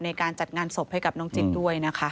ในการจัดงานศพให้กับน้องจิตด้วยนะคะ